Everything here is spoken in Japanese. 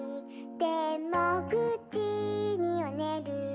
「でも９じにはねる」